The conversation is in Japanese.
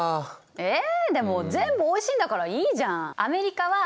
えでも全部おいしいんだからいいじゃん。